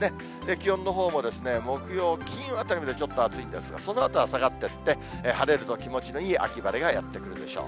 気温のほうも木曜、金曜あたりまでちょっと暑いんですが、そのあとは下がっていって、晴れると気持ちのいい秋晴れがやって来るでしょう。